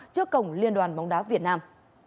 trước cổng liên đoàn bóng đá việt nam